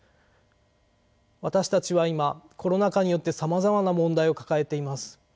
私たちは今コロナ禍によってさまざまな問題を抱えています。